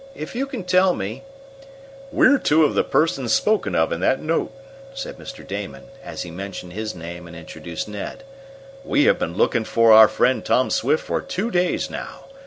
If you can tell me " "We're two of the persons spoken of in that note," said Mr. Damon, as he mentioned his name and introduced Ned. "We have been looking for our friend Tom Swift for two days now.